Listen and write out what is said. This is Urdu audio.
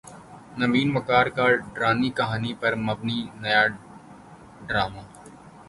نوین وقار کا ڈرانی کہانی پر مبنی نیا ڈراما